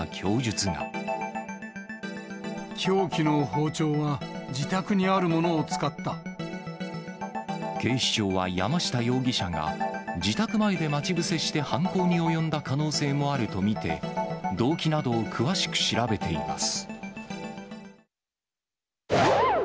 凶器の包丁は、自宅にあるも警視庁は山下容疑者が、自宅前で待ち伏せして犯行に及んだ可能性もあると見て、動機などを詳しく調べています。